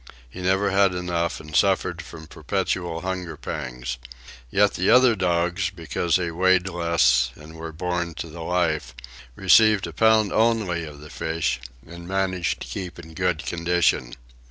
He never had enough, and suffered from perpetual hunger pangs. Yet the other dogs, because they weighed less and were born to the life, received a pound only of the fish and managed to keep in good condition.